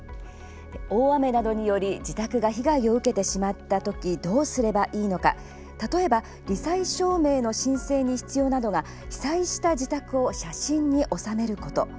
大雨などにより自宅が被害を受けてしまった時どうすればいいのか、例えばり災証明の申請に必要なのが被災した自宅を写真に収めること。